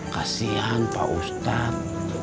kasian pak ustadz